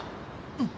うん。